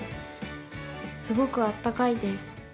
すごくあったかいです。